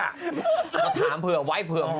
ก็ถามเผื่อไว้เผื่อ